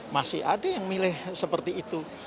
masih ada yang milih seperti itu